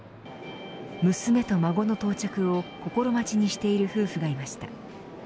娘と孫の到着を心待ちにしている夫婦がいました。